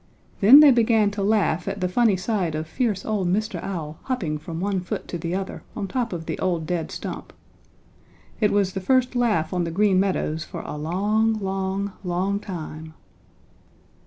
Then they began to laugh at the funny sight of fierce old Mr. Owl hopping from one foot to the other on top of the old dead stump. It was the first laugh on the Green Meadows for a long, long, long time.